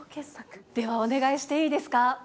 ではお願いしていいですか？